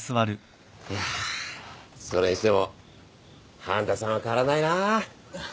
いやそれにしても半田さんは変わらないなぁ。